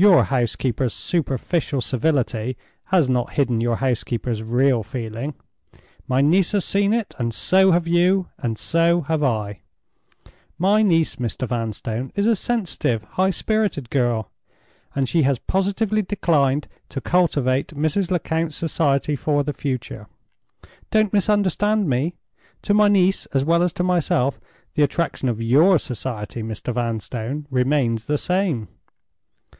Your housekeeper's superficial civility has not hidden your housekeeper's real feeling. My niece has seen it, and so have you, and so have I. My niece, Mr. Vanstone, is a sensitive, high spirited girl; and she has positively declined to cultivate Mrs. Lecount's society for the future. Don't misunderstand me! To my niece as well as to myself, the attraction of your society, Mr. Vanstone, remains the same.